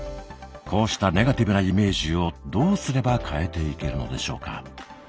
こうしたネガティブなイメージをどうすれば変えていけるのでしょうか？